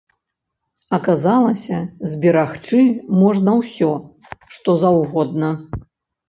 Аказалася, зберагчы можна ўсё, што заўгодна.